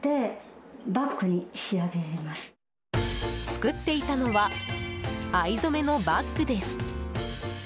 作っていたのは藍染めのバッグです。